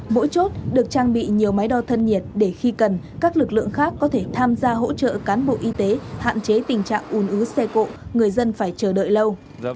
mỗi chốt được trang bị nhiều máy đo thân nhiệt để khi cần các lực lượng khác có thể tham gia hỗ trợ cán bộ y tế hạn chế tình trạng ùn ứ xe cộ người dân phải chờ đợi lâu